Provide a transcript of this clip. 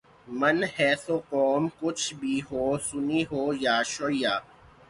من حیثء قوم کچھ بھی ہو، سنی ہو یا شعیہ